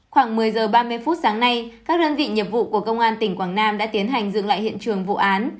khoảng một mươi h ba mươi phút sáng nay các đơn vị nhiệm vụ của công an tỉnh quảng nam đã tiến hành dựng lại hiện trường vụ án